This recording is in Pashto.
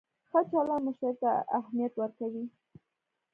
ښه چلند مشتری ته اهمیت ورکوي.